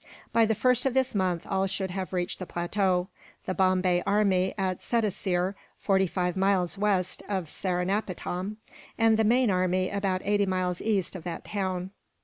By the 1st of this month all should have reached the plateau the Bombay army at Sedaseer, forty five miles west of Seringapatam; and the main army about eighty miles east of that town.